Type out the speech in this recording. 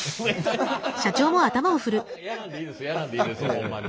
やらんでいいですよやらんでいいですよホンマに。